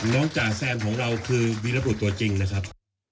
จ่าแซมของเราคือวีรบุตรตัวจริงนะครับ